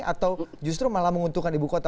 atau justru malah menguntungkan ibu kota